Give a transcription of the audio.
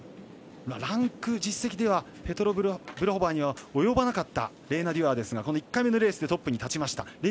ランク、実績ではペトラ・ブルホバーには及ばなかったレーナ・デュアーですが１回目のレースでトップに立ちました。